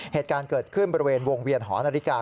เหตุการณ์เกิดขึ้นบริเวณวงเวียนหอนาฬิกา